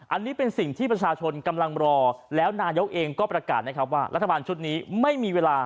อันนี้เป็นสิ่งที่ประชาชนกำลังรอแล้วนายกเองก็ประกาศนะครับว่ารัฐบาลชุดนี้ไม่มีเวลา